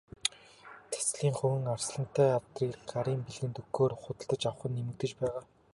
Цацлын хувин, арслантай авдрыг гарын бэлгэнд өгөхөөр худалдаж авах нь нэмэгдэж байгаа.